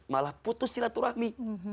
malah putus silaturahmi